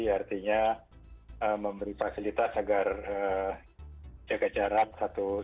artinya memberi fasilitas agar jaga jarak satu jam